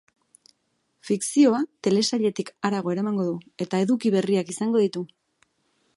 Fikzioa telesailetik harago eramango du eta eduki berriak izango ditu.